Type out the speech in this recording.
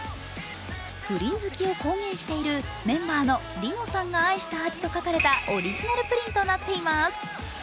プリン好きを公言しているメンバーのリノさんが愛した味と書かれたオリジナルプリンとなっています。